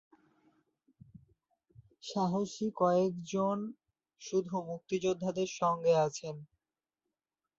সাহসী কয়েকজন শুধু মুক্তিযোদ্ধাদের সঙ্গে আছেন।